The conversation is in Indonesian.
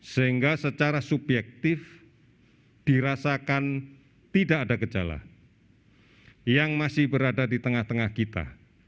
sehingga secara subjektif dirasakan tidak ada gejala yang masih berada di tengah tengah kita